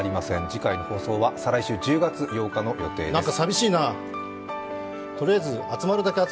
次回の放送は再来週１０月８日の予定です。